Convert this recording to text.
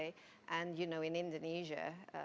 dan you know di indonesia